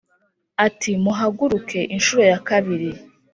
ati:” muhaguruke inshuro ya kabiri